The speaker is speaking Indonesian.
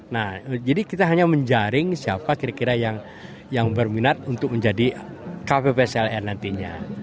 nah jadi kita hanya menjaring siapa kira kira yang berminat untuk menjadi kppsln nantinya